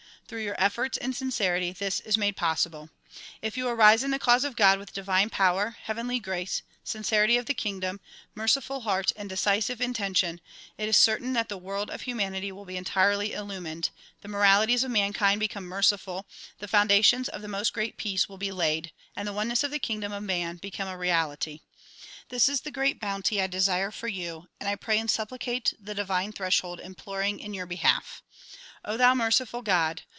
Through your efforts and sincerity this is made possible. If you arise in the cause of God with divine power, heavenly grace, sincerity of the kingdom, merci ful heart and decisive intention, it is certain that the world of hu manity will be entirely illumined, the moralities of mankind become merciful, the foundations of the '*i\rost Great Peace" will be laid and the oneness of the kingdom of man become a reality. This is DISCOURSES DELIVERED IN WASHINGTON 53 the great bounty I desire for yon, and I pray and supplicate tlie divine threshold imploring in your behalf. O thou merciful God!